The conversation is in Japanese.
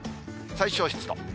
最小湿度。